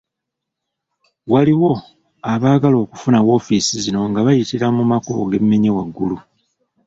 Waliwo abaagala okufuna woofiisi zino nga bayitira mu makubo ge mmenye waggulu.